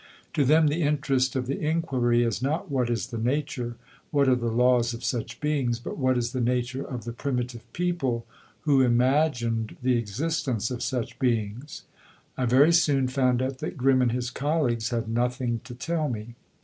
To them the interest of the inquiry is not what is the nature, what are the laws of such beings, but what is the nature of the primitive people who imagined the existence of such beings? I very soon found out that Grimm and his colleagues had nothing to tell me.